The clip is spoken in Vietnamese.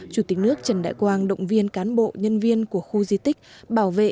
chủ tịch nước trần đại quang động viên cán bộ nhân viên của khu di tích bảo vệ